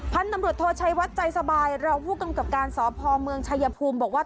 พันธุ์ตำรวจโทชัยวัดใจสบายรองผู้กำกับการสพเมืองชายภูมิบอกว่า